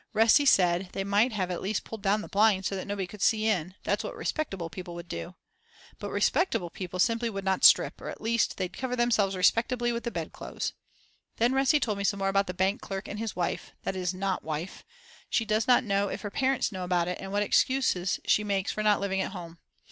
Resi said they might at least have pulled down the blind so that nobody could see in, that's what respectable people would do. But respectable people simply would not strip, or at least they'd cover themselves respectably with the bedclothes. Then Resi told me some more about the bank clerk and his wife, that is not wife. She does not know if her parents know about it, and what excuse she makes for not living at home.